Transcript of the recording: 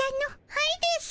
はいですぅ。